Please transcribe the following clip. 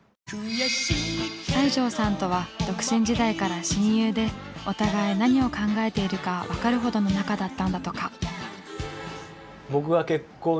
西城さんとは独身時代から親友でお互い何を考えているか分かるほどの仲だったんだとか。